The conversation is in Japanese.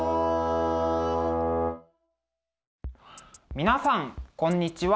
皆さんこんにちは。